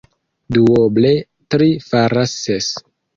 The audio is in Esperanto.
Duoble tri faras ses.